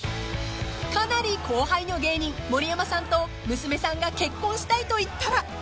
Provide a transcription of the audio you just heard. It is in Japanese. ［かなり後輩の芸人盛山さんと娘さんが結婚したいと言ったら？］